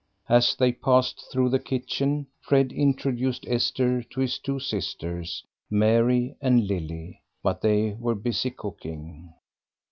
As they passed through the kitchen Fred introduced Esther to his two sisters, Mary and Lily. But they were busy cooking.